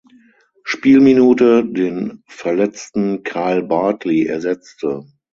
Spielminute den verletzten Kyle Bartley ersetzte.